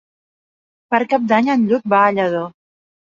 Per Cap d'Any en Lluc va a Lladó.